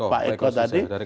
pak eko tadi